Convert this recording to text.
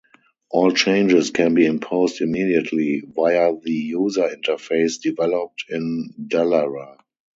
All changes can be imposed immediately via the user interface developed in Dallara.